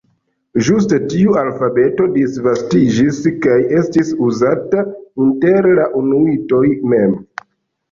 Ĝuste tiu alfabeto disvastiĝis kaj estis uzata inter la inuitoj mem.